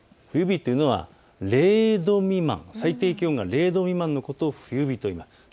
冬日というのは、最低気温が０度未満のことを冬日といいます。